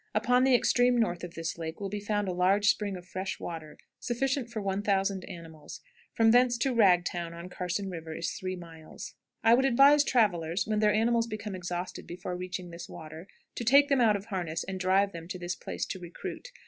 Upon the extreme north end of this lake will be found a large spring of fresh water, sufficient for 1000 animals. From thence to "Ragtown," on Carson River, is three miles. I would advise travelers, when their animals become exhausted before reaching this water, to take them out of harness and drive them to this place to recruit.